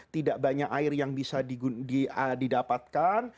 tidak banyak air yang bisa didapatkan